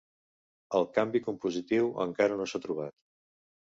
El canvi compositiu encara no s'ha trobat.